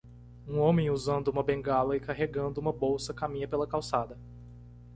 Um homem usando uma bengala e carregando uma bolsa caminha pela calçada.